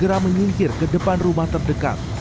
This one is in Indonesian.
tanda yang menyingkir ke depan rumah terdekat